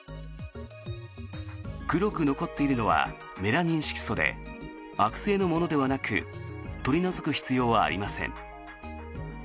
黒く残っているのはメラニン色素で悪性のものではなく取り除く必要はありません。